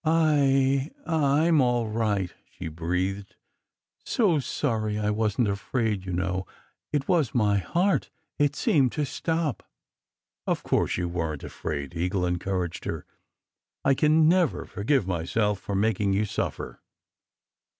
S< I I m all right," she breathed. "So sorry! I wasn t afraid, you know. It was my heart. It seemed to stop." "Of course you weren t afraid," Eagle encouraged her. "I can never forgive myself for making you suffer."